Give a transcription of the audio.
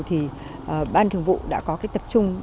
thì ban thường vụ đã có cái tập trung